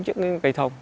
cái cây thông